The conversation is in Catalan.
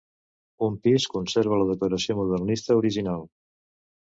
Un pis conserva la decoració modernista original.